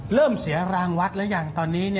เริ่มเสียรางวัดหรือยังตอนนี้